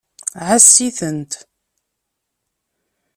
Ɛass-itent.